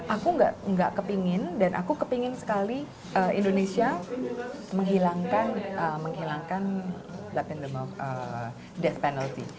aku enggak kepingin dan aku kepingin sekali indonesia menghilangkan death penalty